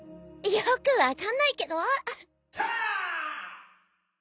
よく分かんないけど！